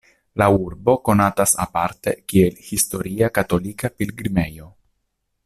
La urbo konatas aparte kiel historia katolika pilgrimejo.